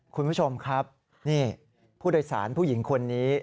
คุณผู้ชมครับนี่ผู้โดยสารผู้หญิงคนนี้